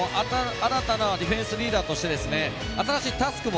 新たなディフェンスリーダーとして新しいタスクも